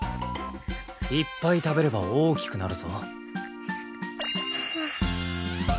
いっぱい食べれば大きくなるぞ。